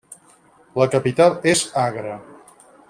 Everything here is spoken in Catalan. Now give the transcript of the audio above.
La capital és Agra.